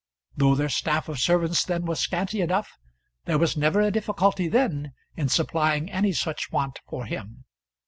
Though their staff of servants then was scanty enough, there was never a difficulty then in supplying any such want for him.